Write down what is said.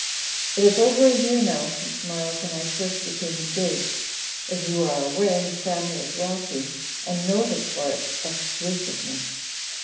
"It is over a year now since Miles and I first became engaged. As you are aware, his family is wealthy, and noted for its exclusiveness.